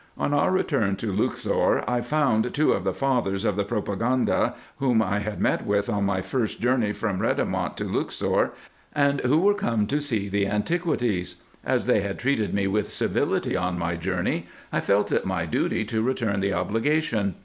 On our return to Luxor I found two of the fathers of the Pro paganda whom I had met with on my first journey from Redamont to Luxor, and who were come to see the antiquities. As they had treated me with civility on my journey, I felt it my duty to return the obligation.